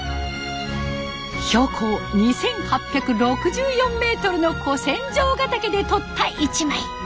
標高２，８６４メートルの小仙丈ヶ岳で撮った一枚。